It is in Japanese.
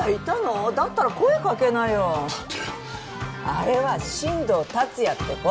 あれは新藤達也って子。